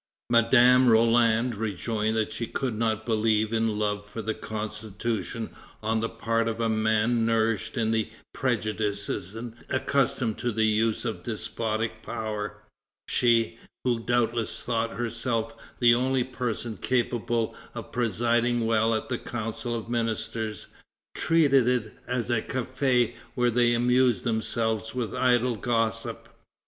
Madame Roland rejoined that she could not believe in love for the Constitution on the part of a man nourished in the prejudices and accustomed to the use of despotic power. She, who doubtless thought herself the only person capable of presiding well at the council of ministers, treated it as a "café where they amused themselves with idle gossip."